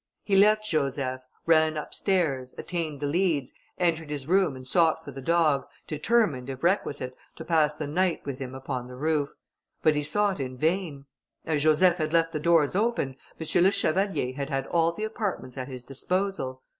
He left Joseph, ran up stairs, attained the leads, entered his room and sought for the dog, determined, if requisite, to pass the night with him upon the roof; but he sought in vain. As Joseph had left the doors open, M. le Chevalier had had all the apartments at his disposal.